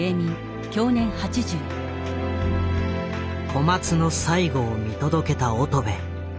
小松の最期を見届けた乙部。